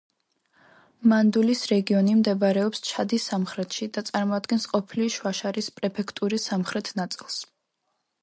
მანდულის რეგიონი მდებარეობს ჩადის სამხრეთში და წარმოადგენს ყოფილი შუა შარის პრეფექტურის სამხრეთ ნაწილს.